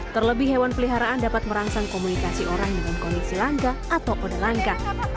terlebih hewan peliharaan dapat merangsang komunikasi orang dengan kondisi langka atau pada langka